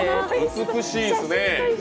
美しいですね！